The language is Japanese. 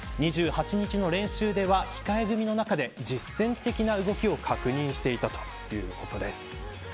２８日の練習では控え組の中で実戦的な動きを確認していたということです。